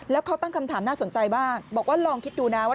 แล้วเขาตั้งคำถามน่าสนใจบ้างบอกว่าลองคิดดูนะว่า